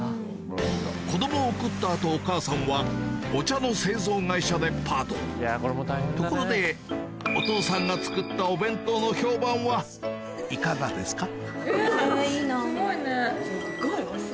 子供を送った後お母さんはお茶の製造会社でパートところでお父さんが作ったいかがですか？